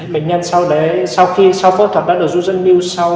bệnh nhân sau đấy sau khi sau phẫu thuật đã được dư dân mưu sau